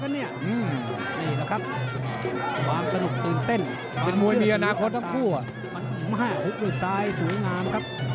นี่แหละครับ